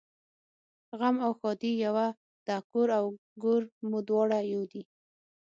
غم او ښادي یوه ده کور او ګور مو دواړه یو دي